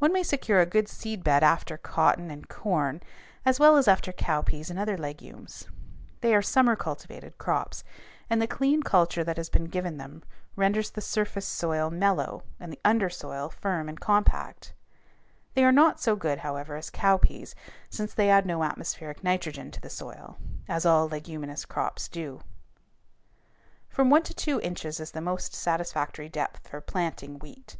One may secure a good seed bed after cotton and corn as well as after cowpeas and other legumes. They are summer cultivated crops, and the clean culture that has been given them renders the surface soil mellow and the undersoil firm and compact. They are not so good, however, as cowpeas, since they add no atmospheric nitrogen to the soil, as all leguminous crops do. [Illustration: FIG. 194. ROOTS OF A SINGLE WHEAT PLANT] From one to two inches is the most satisfactory depth for planting wheat.